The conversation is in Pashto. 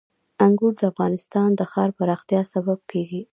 انګور د افغانستان د ښاري پراختیا سبب کېږي.